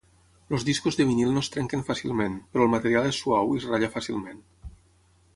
Els discos de vinil no es trenquen fàcilment, però el material és suau i es ratlla fàcilment.